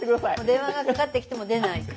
電話がかかってきても出ない。